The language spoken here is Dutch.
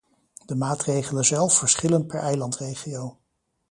De maatregelen zelf verschillen per eilandregio.